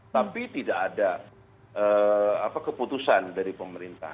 tapi tidak ada keputusan dari pemerintah